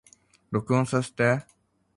録音させて